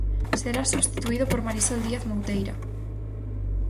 Será substituído por Marisol Díaz Mouteira.